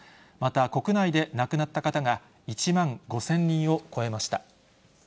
国内で亡くなった方が１万５０００人を超えました。